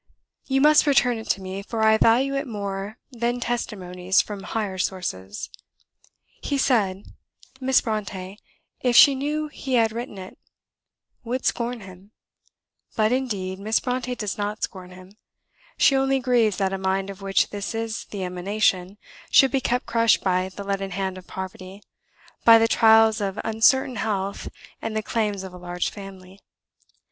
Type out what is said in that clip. You must return it to me, for I value it more than testimonies from higher sources. He said, 'Miss Brontë, if she knew he had written it, would scorn him;' but, indeed, Miss Brontë does not scorn him; she only grieves that a mind of which this is the emanation, should be kept crushed by the leaden hand of poverty by the trials of uncertain health, and the claims of a large family.